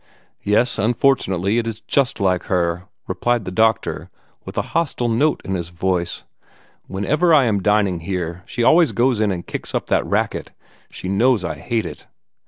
"Yes, unfortunately, it IS just like her," replied the doctor, with a hostile note in his voice. "Whenever I am dining here, she always goes in and kicks up that racket. She knows I hate it."